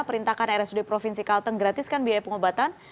perintahkan rsud provinsi kalteng gratiskan biaya pengobatan